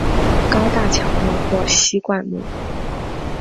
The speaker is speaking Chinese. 高大乔木或稀灌木。